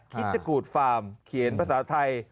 คิดจะกูดฟาร์มเขียนภาษาไทย